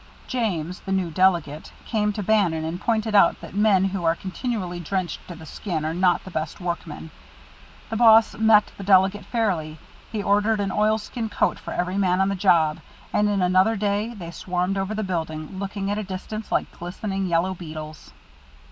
James, the new delegate, came to Bannon and pointed out that men who are continually drenched to the skin are not the best workmen. The boss met the delegate fairly; he ordered an oilskin coat for every man on the job, and in another day they swarmed over the building, looking, at a distance, like glistening yellow beetles.